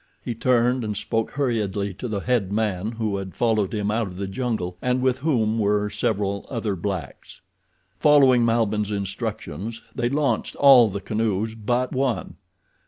He turned and spoke hurriedly to the head man who had followed him out of the jungle and with whom were several other blacks. Following Malbihn's instructions they launched all the canoes but one.